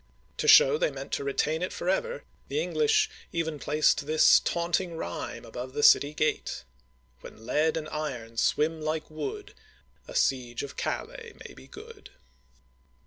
To show they meant to retain it forever, the English even placed this taunting rhyme above the city gate :—When lead and iron swim like wood, A siege of Calais may be good.